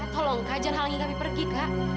tolong kajian halangi kami pergi kak